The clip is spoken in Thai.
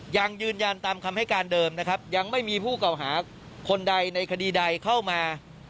ยังยืนยันตามคำให้การเดิมนะครับยังไม่มีผู้เก่าหาคนใดในคดีใดเข้ามา